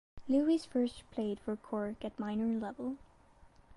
Levis first played for Cork at minor level.